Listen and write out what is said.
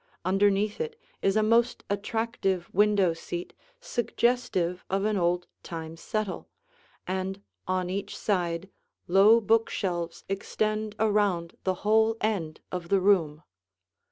Underneath it is a most attractive window seat suggestive of an old time settle, and on each side low book shelves extend around the whole end of the room.